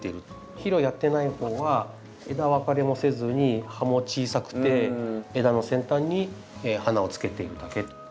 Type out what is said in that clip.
肥料をやっていない方は枝分かれもせずに葉も小さくて枝の先端に花をつけているだけと。